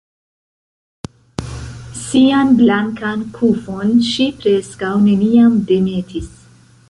Sian blankan kufon ŝi preskaŭ neniam demetis.